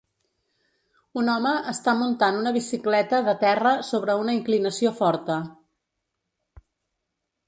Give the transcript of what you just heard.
Un home està muntant una bicicleta de terra sobre una inclinació forta.